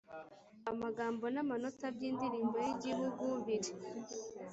Amagambo n amanota by Indirimbo y Igihugu biri